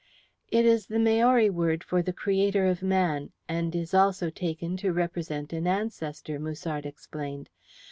"It is the Maori word for the creator of man, and is also taken to represent an ancestor," Musard explained.